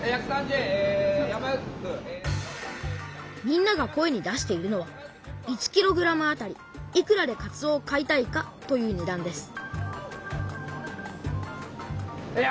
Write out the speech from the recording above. みんなが声に出しているのは「１ｋｇあたりいくらでかつおを買いたいか」というねだんです